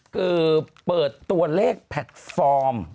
คือเปิดตัวเลขแพลตฟอร์ม